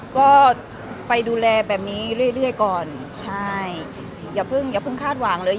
ก็ไปดูแลแบบนี้เรื่อยเรื่อยก่อนใช่อย่าเพิ่งอย่าเพิ่งคาดหวังเลย